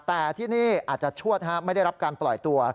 แต่ที่นี่อาจจะชวดไม่ได้รับการปล่อยตัว